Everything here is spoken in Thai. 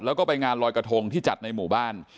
แล้วก็ไปงานลอยกระทงที่จัดในหมู่บ้าน